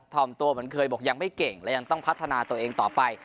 ่อมตัวเหมือนเคยบอกยังไม่เก่งและยังต้องพัฒนาตัวเองต่อไป